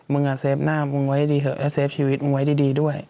เฟฟหน้ามึงไว้ดีเถอะเซฟชีวิตมึงไว้ดีด้วย